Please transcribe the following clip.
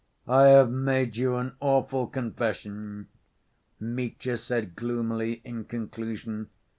"I have made you an awful confession," Mitya said gloomily in conclusion.